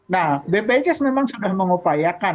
nah bpjs memang sudah mengupayakan